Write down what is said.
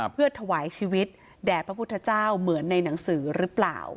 เพื่อถวายชีวิตแด่พระพุทธเจ้าเหมือนในหนังสือหรือเปล่า